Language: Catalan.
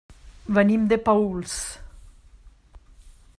Venim de Paüls.